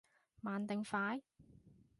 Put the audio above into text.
慢定快？